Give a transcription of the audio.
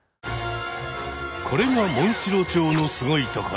これがモンシロチョウのすごいところ。